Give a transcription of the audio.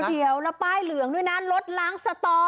เดี๋ยวแล้วป้ายเหลืองด้วยนะรถล้างสตอ